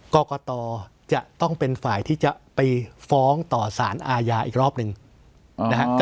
กรกตจะต้องเป็นฝ่ายที่จะไปฟ้องต่อสารอาญาอีกรอบหนึ่งนะฮะ